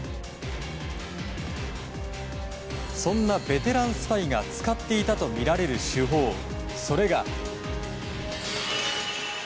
そんなベテランスパイが使っていたとみられる手法それが。